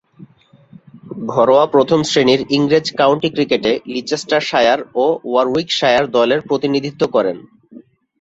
ঘরোয়া প্রথম-শ্রেণীর ইংরেজ কাউন্টি ক্রিকেটে লিচেস্টারশায়ার ও ওয়ারউইকশায়ার দলের প্রতিনিধিত্ব করেন।